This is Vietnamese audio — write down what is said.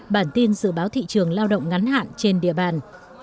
bản tin dự báo thị trường lao động ngắn hạn trên địa bàn